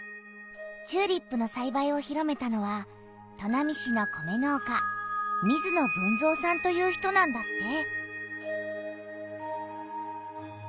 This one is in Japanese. チューリップのさいばいを広めたのは砺波市の米農家水野豊造さんという人なんだって！